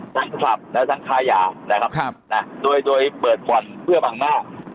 ทั้งผับและทั้งค้ายานะครับนะโดยโดยเปิดบ่อนเพื่อบังหน้า